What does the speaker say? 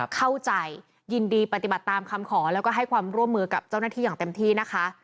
เข้าใจยินดีปฏิบัติตามคำขอแล้วก็ให้ความร่วมมือกับเจ้าหน้าที่อย่างเต็มที่นะคะ